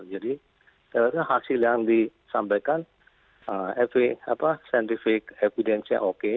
jadi hasil yang disampaikan scientific evidence nya oke